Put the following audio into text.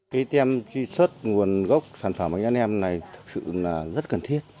cái tem tri xuất nguồn gốc sản phẩm bánh đa nem này thực sự là rất cần thiết